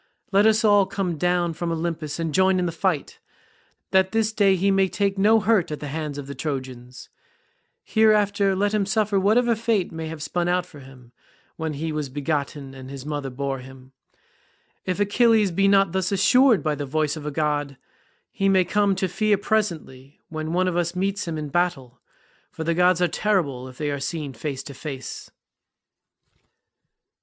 Let us all come down from Olympus and join in the fight, that this day he may take no hurt at the hands of the Trojans. Hereafter let him suffer whatever fate may have spun out for him when he was begotten and his mother bore him. If Achilles be not thus assured by the voice of a god, he may come to fear presently when one of us meets him in battle, for the gods are terrible if they are seen face to face."